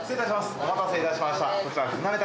お待たせ致しました。